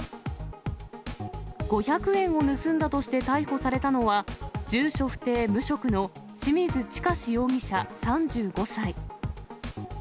５００円を盗んだとして逮捕されたのは、住所不定無職の清水史容疑者３５歳。